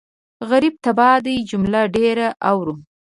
غريب تباه دی جمله ډېره اورو